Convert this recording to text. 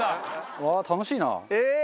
うわー楽しいな。